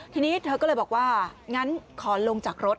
ทีนี้เธอก็เลยบอกว่างั้นขอลงจากรถ